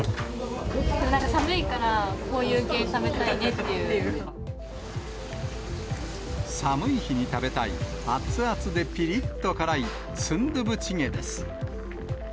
寒いからこういう系食べたい寒い日に食べたい、熱々でピリッと辛いスンドゥブチゲです。